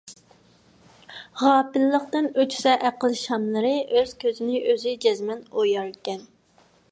غاپىللىقتىن ئۆچسە ئەقىل شاملىرى، ئۆز كۆزىنى ئۆزى جەزمەن ئوياركەن ...